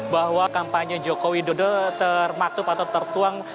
bahwa kampanye jokowi dodo termaktub atau tertuang